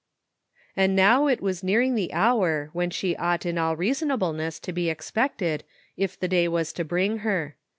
And now it was nearing the hour when she ought in all reasonableness to be expected, if the day was to bring her.